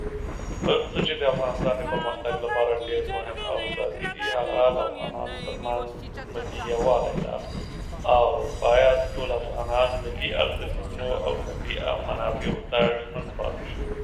The nickname "Doom" comes from the video game of the same name.